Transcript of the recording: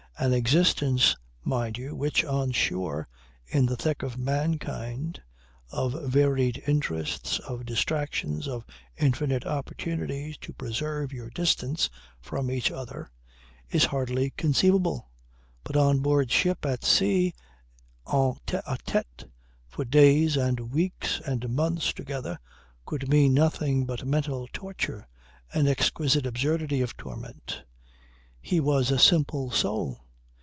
An existence, mind you, which, on shore, in the thick of mankind, of varied interests, of distractions, of infinite opportunities to preserve your distance from each other, is hardly conceivable; but on board ship, at sea, en tete a tete for days and weeks and months together, could mean nothing but mental torture, an exquisite absurdity of torment. He was a simple soul.